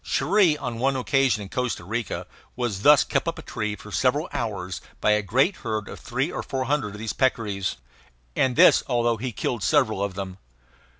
Cherrie, on one occasion in Costa Rica, was thus kept up a tree for several hours by a great herd of three or four hundred of these peccaries; and this although he killed several of them.